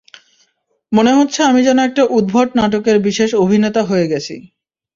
মনে হচ্ছে আমি যেন একটা উদ্ভট নাটকের বিশেষ অভিনেতা হয়ে গেছি।